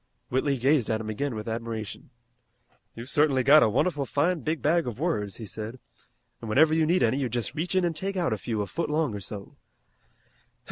Whitley gazed at him again with admiration. "You've certainly got a wonderful fine big bag of words," he said, "an' whenever you need any you just reach in an' take out a few a foot long or so.